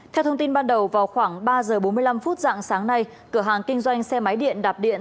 theo thông tin ban đầu vào khoảng ba giờ bốn mươi năm phút dạng sáng nay cửa hàng kinh doanh xe máy điện đạp điện